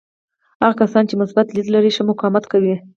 هغه کسان چې مثبت لید لري ښه مقاومت کوي.